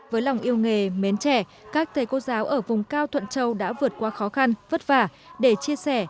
với lòng yêu nghề mến trẻ các thầy cô giáo ở vùng cao thuận châu đã vượt qua khó khăn vất vả để chia sẻ